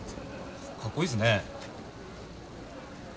かっこいいっすね。